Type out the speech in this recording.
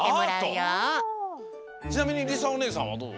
ちなみにりさおねえさんはどう？